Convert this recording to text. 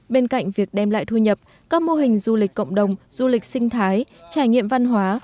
bên cạnh việc đem lại thu nhập các mô hình du lịch cộng đồng du lịch sinh thái trải nghiệm văn hóa